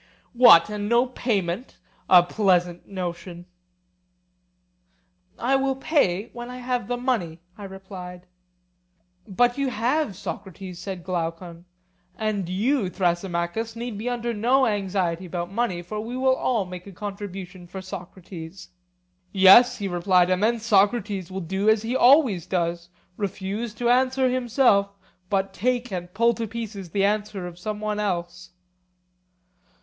What, and no payment! a pleasant notion! I will pay when I have the money, I replied. But you have, Socrates, said Glaucon: and you, Thrasymachus, need be under no anxiety about money, for we will all make a contribution for Socrates. Yes, he replied, and then Socrates will do as he always does—refuse to answer himself, but take and pull to pieces the answer of some one else.